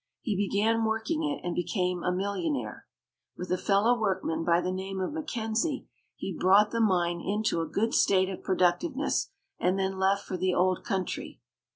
He began working it and became a millionaire. With a fellow workman by the name of Mackenzie he brought the mine into a good state of productiveness, and then left for the old country.